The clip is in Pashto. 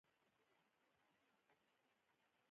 انار د بې خوبۍ ضد دی.